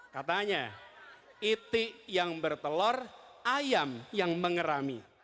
katanya itik yang bertelor ayam yang mengerami